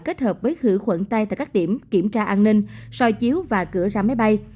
kết hợp với khử khuẩn tay tại các điểm kiểm tra an ninh soi chiếu và cửa ra máy bay